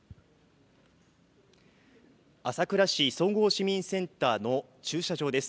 朝倉市総合市民センターの駐車場です。